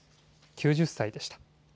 ９０歳でした。